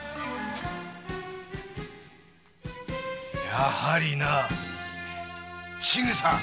やはりな千草！